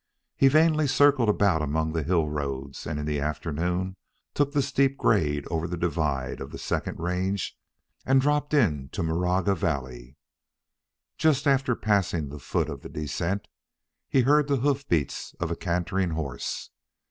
He vainly circled about among the hill roads and in the afternoon took the steep grade over the divide of the second range and dropped into Maraga Valley. Just after passing the foot of the descent, he heard the hoof beats of a cantering horse.